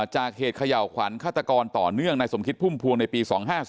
จากเหตุเขย่าขวัญฆาตกรต่อเนื่องในสมคิดพุ่มพวงในปี๒๕๔